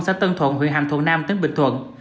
xã tân thuận huyện hàm thuận nam tỉnh bình thuận